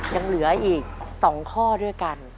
ยังเหลืออีก๒ข้อด้วยกัน